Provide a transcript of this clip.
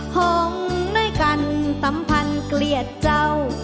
ห่วงน้อยกันตำพันเคลียดเจ้า